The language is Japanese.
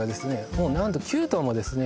もう何と９島もですね